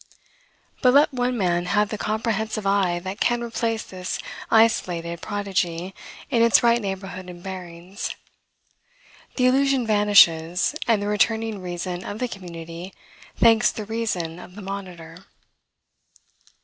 But let one man have the comprehensive eye that can replace this isolated prodigy in its right neighborhood and bearings, the illusion vanishes, and the returning reason of the community thanks the reason of the monitor.